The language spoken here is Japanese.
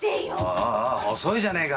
おい遅いじゃねえか。